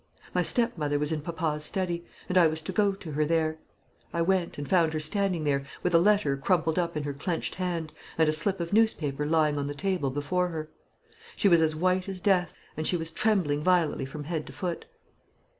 My stepmother was in papa's study; and I was to go to her there. I went, and found her standing there, with a letter crumpled up in her clenched hand, and a slip of newspaper lying on the table before her. She was as white as death, and she was trembling violently from head to foot.